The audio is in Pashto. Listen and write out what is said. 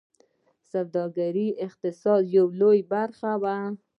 سوداګري د اقتصاد لویه برخه وه